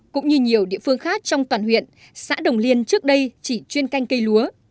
cũng như nhiều địa phương khác trong toàn huyện xã đồng liên trước đây chỉ chuyên canh cây lúa